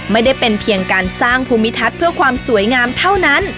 ไม่ได้เป็นเพียงการสร้างภูมิทัศน์เพื่อความสวยงามเท่านั้น